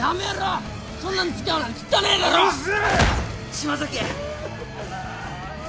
島崎！